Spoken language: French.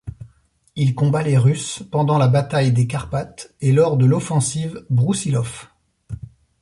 Il combat les Russes pendant la bataille des Carpates et lors de l'offensive Broussilov.